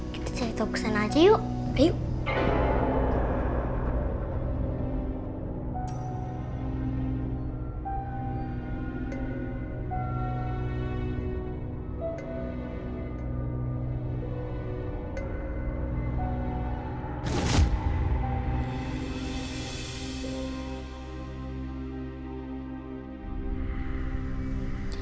kita cari tahu ke sana aja yuk